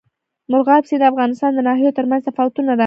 مورغاب سیند د افغانستان د ناحیو ترمنځ تفاوتونه رامنځ ته کوي.